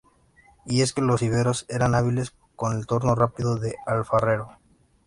Y es que los iberos eran hábiles con el torno rápido de alfarero.